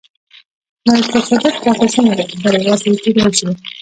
له تشدد پرته څنګه برلاسي کېدای شو؟